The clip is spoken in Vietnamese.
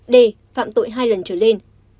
d phạm tội hai lần trở lên